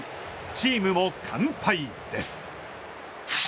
チームも完敗です。